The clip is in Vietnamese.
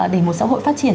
để một xã hội phát triển